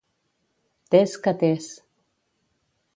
Tes que tes.